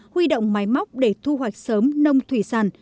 huy động máy móc để thu hoạch sớm nông thủy sản